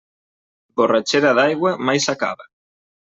Borratxera d'aigua, mai s'acaba.